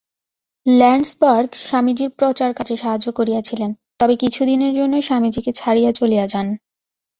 Landsberg স্বামীজীর প্রচারকার্যে সাহায্য করিয়াছিলেন, তবে কিছুদিনের জন্য স্বামীজীকে ছাড়িয়া চলিয়া যান।